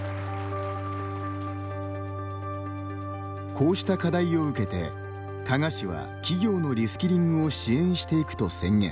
こうした課題を受けて加賀市は、企業のリスキリングを支援していくと宣言。